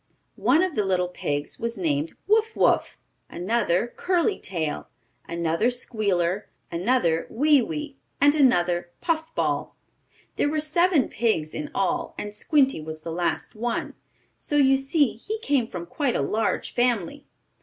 One of the little pigs was named Wuff Wuff, another Curly Tail, another Squealer, another Wee Wee, and another Puff Ball. There were seven pigs in all, and Squinty was the last one, so you see he came from quite a large family.